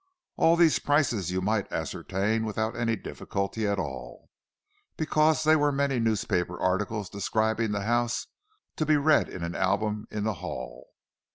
—All these prices you might ascertain without any difficulty at all, because there were many newspaper articles describing the house to be read in an album in the hall.